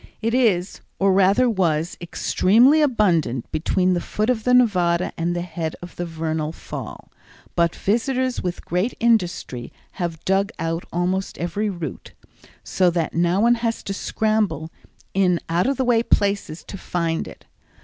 It is, or rather was, extremely abundant between the foot of the Nevada and the head of the Vernal Fall, but visitors with great industry have dug out almost every root, so that now one has to scramble in out of the way places to find it.